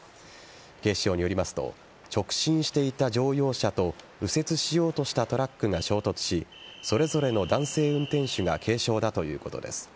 警視庁によりますと直進していた乗用車と右折しようとしたトラックが衝突しそれぞれの男性運転手が軽傷だということです。